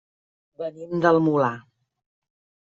Venim del Molar.